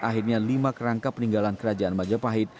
akhirnya lima kerangka peninggalan kerajaan majapahit